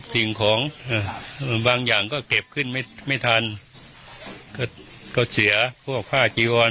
สิ่งของบางอย่างก็เก็บขึ้นไม่ไม่ทันก็ก็เสียพวกผ้าจีวอน